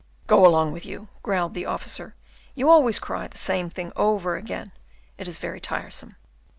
"Go along with you," growled the officer, "you always cry the same thing over again. It is very tiresome."